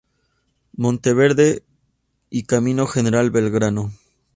Monteverde y Camino General Belgrano.